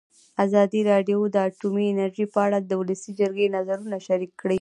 ازادي راډیو د اټومي انرژي په اړه د ولسي جرګې نظرونه شریک کړي.